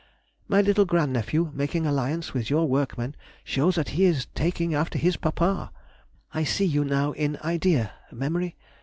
My little grand nephew making alliance with your workmen shews that he is taking after his papa. I see you now in idea (memory?)